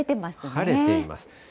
晴れています。